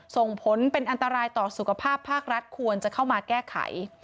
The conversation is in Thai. ส่งผลเป็นอันตรายต่อสุขภาพภาครัฐควรจะเข้ามาแก้ไข